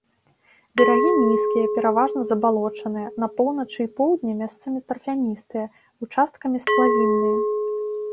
Берагі нізкія, пераважна забалочаныя, на поўначы і поўдні месцамі тарфяністыя, участкамі сплавінныя.